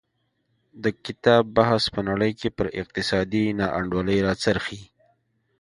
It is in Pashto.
د کتاب بحث په نړۍ کې پر اقتصادي نا انډولۍ راڅرخي.